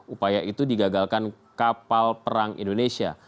upaya itu digagalkan kapal perang indonesia